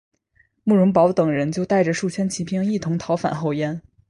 慕容宝等人就带着数千骑兵一同逃返后燕。